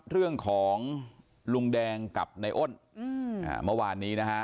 เรื่องของลุงแดงกับในอ้นเมื่อวานนี้นะฮะ